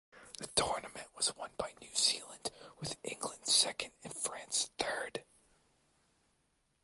The tournament was won by New Zealand with England second and France third.